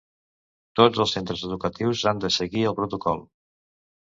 Tots els centres educatius han de s seguir el protocol.